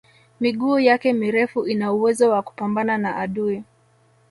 miguu yake mirefu ina uwezo wa kupambana na adui